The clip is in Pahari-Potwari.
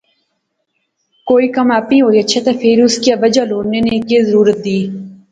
کوئی کم آپی ہوئی اچھے تہ فیر اس کیا وجہ لوڑنے نی کہہ ضرورت دیر